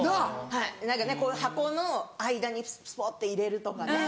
はい何かね箱の間にすぽって入れるとかね。